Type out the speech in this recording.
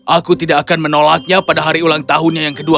aku tidak akan menolaknya pada hari ulang tahunnya yang ke dua puluh satu